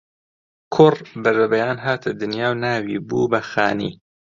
کوڕ بەرەبەیان هاتە دنیا و ناوی بوو بە خانی